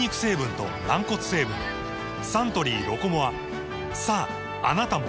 サントリー「ロコモア」さああなたも！